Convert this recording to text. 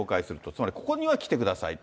つまりここには来てくださいと。